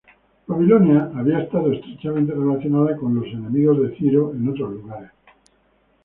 Babilonia había estado estrechamente relacionada con enemigos de Ciro en otros lugares.